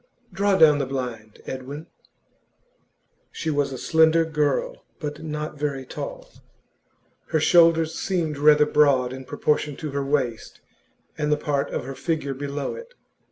'Draw down the blind, Edwin.' She was a slender girl, but not very tall; her shoulders seemed rather broad in proportion to her waist and the part of her figure below it.